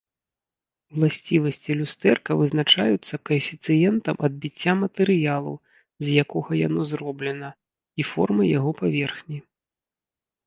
Уласцівасці люстэрка вызначаюцца каэфіцыентам адбіцця матэрыялу, з якога яно зроблена, і формай яго паверхні.